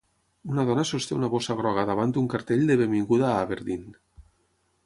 Una dona sosté una bossa groga davant d'un cartell de benvinguda a Aberdeen.